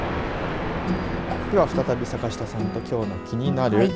では、再び坂下さんときょうのキニナル！